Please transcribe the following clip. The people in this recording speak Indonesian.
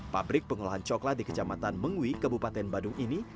pabrik pengolahan coklat di kecamatan mengwi kabupaten badung ini